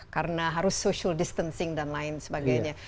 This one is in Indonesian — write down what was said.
karena harus social distancing dan lain sebagainya